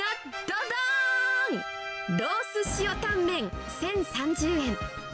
ロース塩たんめん１０３０円。